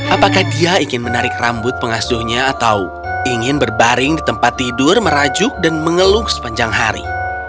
apakah dia ingin menarik rambut pengasuhnya atau ingin berbaring di tempat tidur merajuk dan mengeluh sepanjang hari